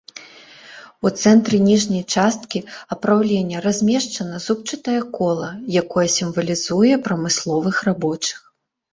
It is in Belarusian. У цэнтры ніжняй часткі апраўлення размешчана зубчастае кола, якое сімвалізуе прамысловых рабочых.